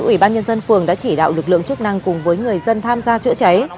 ủy ban nhân dân phường đã chỉ đạo lực lượng chức năng cùng với người dân tham gia chữa cháy